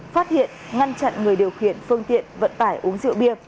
phát hiện ngăn chặn người điều khiển phương tiện vận tải uống rượu bia